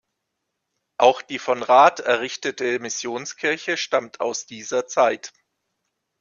Auch die von Rath errichtete Missionskirche stammt aus dieser Zeit.